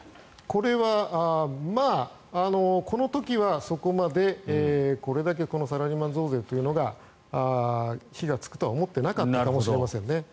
これはこの時はそこまでこれだけサラリーマン増税というのが火がつくとは思っていなかったのかもしれませんね。